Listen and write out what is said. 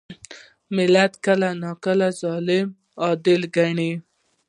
ملت کله ناکله ظالم عادي ګڼي.